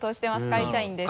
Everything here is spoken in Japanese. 会社員です。